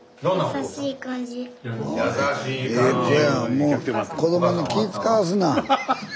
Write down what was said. もう子どもに気ぃ遣わすな。